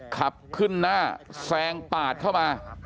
ขับขึ้นหน้าแซงปาดเข้ามา